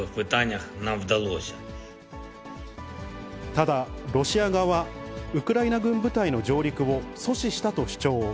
ただ、ロシア側はウクライナ軍部隊の上陸を阻止したと主張。